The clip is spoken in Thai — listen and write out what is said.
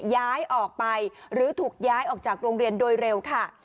ย้ายออกไปหรือถูกย้ายออกจากโรงเรียนโดยเร็วค่ะ